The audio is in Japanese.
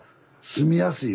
住みやすい。